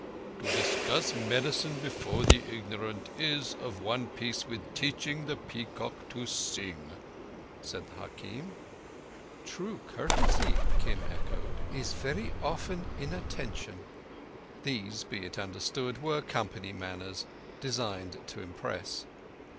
"To discuss medicine before the ignorant is of one piece with teaching the peacock to sing," said the hakim. "True courtesy," Kim echoed, "is very often inattention." These, be it understood, were company manners, designed to impress.